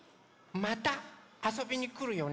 またあそびにくるよね？